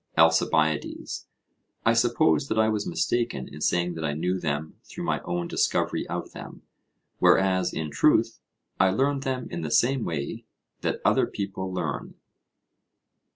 ALCIBIADES: I suppose that I was mistaken in saying that I knew them through my own discovery of them; whereas, in truth, I learned them in the same way that other people learn.